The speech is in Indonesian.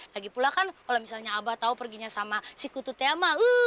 lagipula kan kalau misalnya abah tau perginya sama si kutu tiama